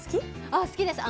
あ好きです。